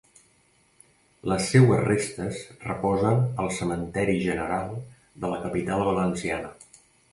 Les seues restes reposen al cementeri General de la capital valenciana.